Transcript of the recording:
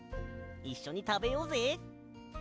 いっしょにたべようぜ。